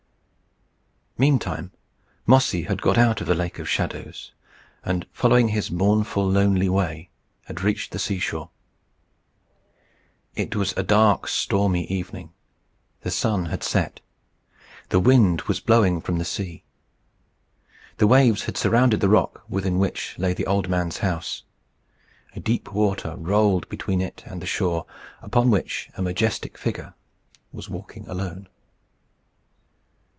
Meantime Mossy had got out of the Lake of Shadows, and, following his mournful, lonely way, had reached the sea shore. It was a dark, stormy evening. The sun had set. The wind was blowing from the sea. The waves had surrounded the rock within which lay the old man's house. A deep water rolled between it and the shore, upon which a majestic figure was walking alone.